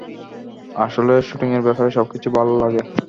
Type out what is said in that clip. আসলে, শুটিংয়ের ব্যাপারে সবকিছু ভাল লাগে।